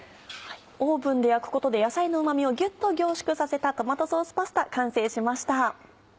オーブンで焼くことで野菜のうま味をぎゅっと凝縮させたトマトソースパスタ完成しました。